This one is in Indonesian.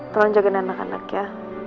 tolong jaga nenek nenek ya